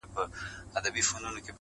له خپل ځان سره ږغيږي.